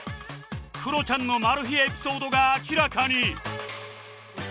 クロちゃんのマル秘エピソードが明らかに